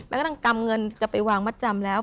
แล้วก็ต้องกำเงินจะไปวางมัดจำแล้ว